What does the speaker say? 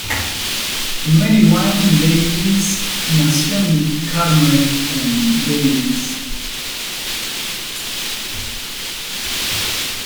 Mary Wynne Davies nació en Carmarthen, Gales.